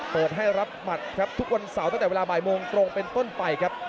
เปิดให้รับหมัดครับทุกวันเสาร์ตั้งแต่เวลาบ่ายโมงตรงเป็นต้นไปครับ